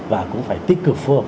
và cũng phải tích cực phù hợp